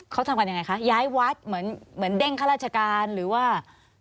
เขาทำกันยังไงคะย้ายวัดเหมือนเด้งข้าราชการหรือว่า